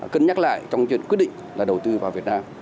xét lại trong chuyện quyết định là đầu tư vào việt nam